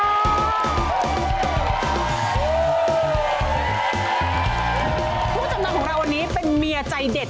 ผู้จำนำของเราวันนี้เป็นเมียใจเด็ด